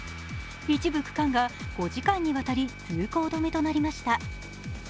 一部区間が５時間にわたり通行止めとなりました。